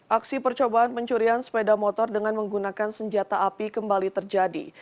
aksi percobaan pencurian sepeda motor dengan menggunakan senjata api kembali terjadi